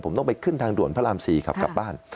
ผมต้องไปขึ้นทางด่วนพระราม๔ขับกลับบ้าน